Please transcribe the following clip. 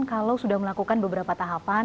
kalau sudah melakukan beberapa tahapan